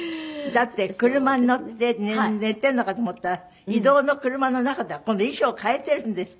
だって車に乗って寝てるのかと思ったら移動の車の中では今度衣装を替えてるんですって？